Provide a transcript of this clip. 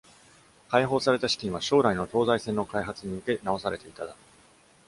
解放された資金は、将来の東西線の開発に向け直されていただろう。